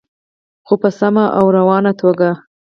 خو په سمه او روانه توګه.